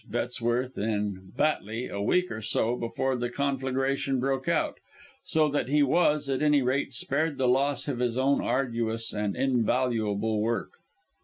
Bettesworth and Batley, a week or so before the conflagration broke out; so that he was, at any rate, spared the loss of his own arduous and invaluable work.